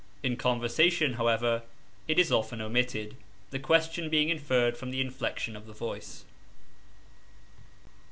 In conversation, however, it is often omitted, the question being inferred from the inflexion of the voice.